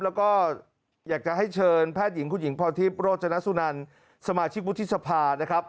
แล้วก็อยากจะให้เชิญแพทย์หญิงคุณหญิงพรทิพย์โรจนสุนันสมาชิกวุฒิสภานะครับ